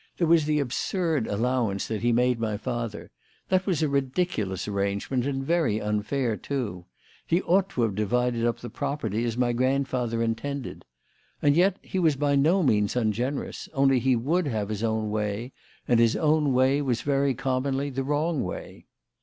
There was the absurd allowance that he made my father. That was a ridiculous arrangement, and very unfair, too. He ought to have divided up the property as my grandfather intended. And yet he was by no means ungenerous, only he would have his own way, and his own way was very commonly the wrong way.